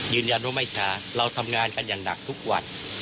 ยืนยันว่าไม่ช้าเราทำงานกันอย่างหนักทุกวัน